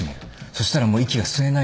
そしたらもう息が吸えないんです。